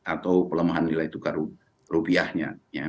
atau pelemahan nilai tukar rupiahnya